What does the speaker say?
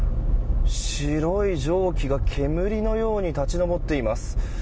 白い蒸気が煙のように立ち上っています。